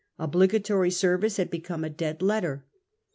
Obligatory smm, service had become a dead letter.